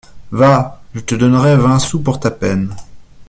Va, je te donnerai vingt sous pour ta peine.